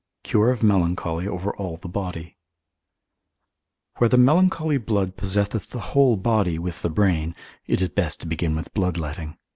Cure of Melancholy over all the Body. Where the melancholy blood possesseth the whole body with the brain, it is best to begin with bloodletting.